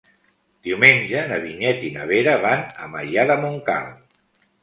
Diumenge na Vinyet i na Vera van a Maià de Montcal.